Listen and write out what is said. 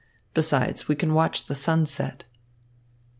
Besides we can watch the sun set."